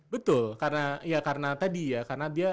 betul karena ya karena tadi ya karena dia